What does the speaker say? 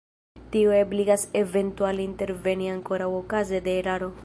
Tio ebligas eventuale interveni ankoraŭ okaze de eraro.